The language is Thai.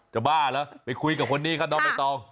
จะบ้าละไปคุยกับคนนี้ค่ะน้องมายตอง